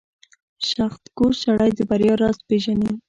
• سختکوش سړی د بریا راز پېژني.